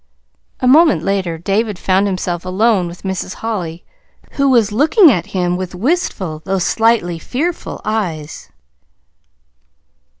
A moment later David found himself alone with Mrs. Holly, who was looking at him with wistful, though slightly fearful eyes.